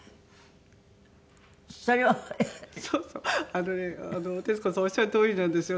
あのね徹子さんおっしゃるとおりなんですよね。